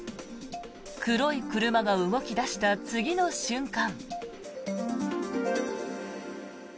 黒い車が動き出した次の瞬間。